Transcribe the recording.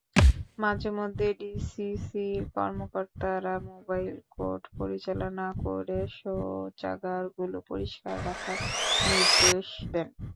মাঝেমধ্যে ডিসিসির কর্মকর্তারা mobile court পরিচালনা করে শৌচাগারগুলো পরিষ্কার রাখার নির্দেশ দেন।